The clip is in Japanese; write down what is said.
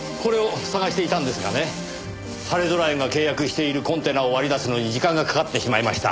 はれぞら園が契約しているコンテナを割り出すのに時間がかかってしまいました。